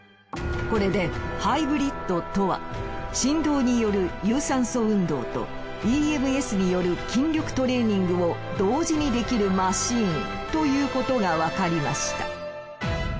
これでハイブリッドとは振動による有酸素運動とＥＭＳによる筋力トレーニングを同時にできるマシーンということがわかりました。